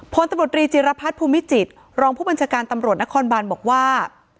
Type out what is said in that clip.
พลตำรวจรีจิรพัฒน์ภูมิจิตรองผู้บัญชาการตำรวจนครบานบอกว่า